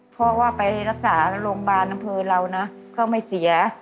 เพราะว่าไปรักษาโรงพยาบาลอำเภอเรานะก็ไม่เสีย